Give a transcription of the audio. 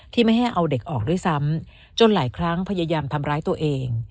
ไม่ให้เอาเด็กออกด้วยซ้ำจนหลายครั้งพยายามทำร้ายตัวเอง